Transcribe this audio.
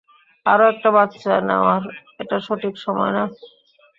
আরো একটা বাচ্চা নেওয়ার এটা সঠিক সময় না।